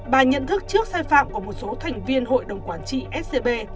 bà nhận thức trước sai phạm của một số thành viên hội đồng quản trị scb